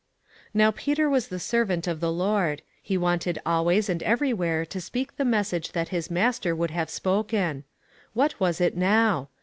Now Peter was the servant of the Lord. He wanted always and everywhere to speak the message that his Master would have spoken. What was it now?